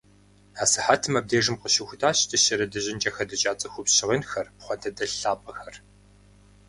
Асыхьэтым абдежым къыщыхутащ дыщэрэ дыжьынкӀэ хэдыкӀа цӀыхубз щыгъынхэр, пхъуантэдэлъ лъапӀэхэр.